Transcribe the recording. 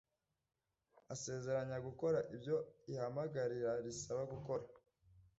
asezeranya gukora ibyo ihamagarira risaba gukora